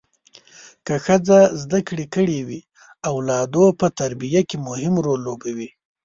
که ښځه زده کړې کړي وي اولادو په تربیه کې مهم رول لوبوي